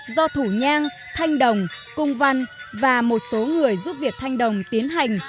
do thủ nhang thanh đồng cung văn và một số người giúp việt thanh đồng tiến hành